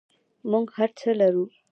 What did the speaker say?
موږ هر څه لرو؟